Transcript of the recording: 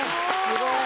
すごい！